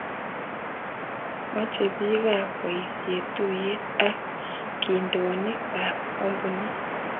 Mochei biikab boisie tuye ak kindonik ab kampunit.